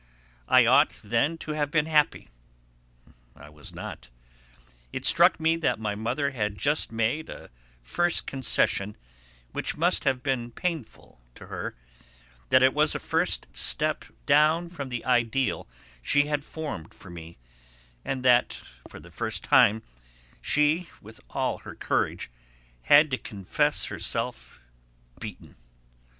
I ought then to have been happy; I was not. It struck me that my mother had just made a first concession which must have been painful to her, that it was a first step down from the ideal she had formed for me, and that for the first time she, with all her courage, had to confess herself beaten.